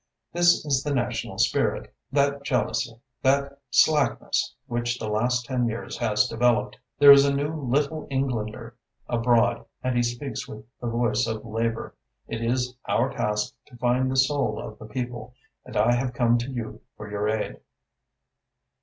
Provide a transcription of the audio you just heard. This is the national spirit, that jealousy, that slackness, which the last ten years has developed. There is a new Little Englander abroad and he speaks with the voice of Labour. It is our task to find the soul of the people. And I have come to you for your aid."